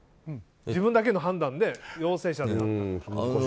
自分だけの判断で陽性者だって。